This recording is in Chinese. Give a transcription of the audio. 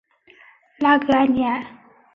拉戈阿尼埃。